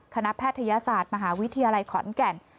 แพทยศาสตร์มหาวิทยาลัยขอนแก่น